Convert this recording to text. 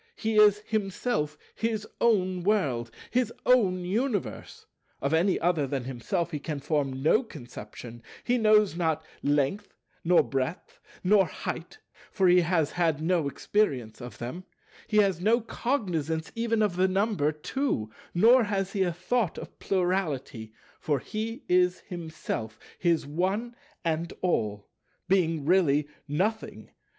He is himself his own World, his own Universe; of any other than himself he can form no conception; he knows not Length, nor Breadth, nor Height, for he has had no experience of them; he has no cognizance even of the number Two; nor has he a thought of Plurality; for he is himself his One and All, being really Nothing.